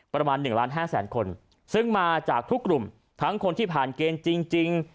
ประมาณ๑ล้านห้าแสนคนซึ่งมาจากทุกกลุ่มทั้งคนที่ผ่านเกณฑ์จริง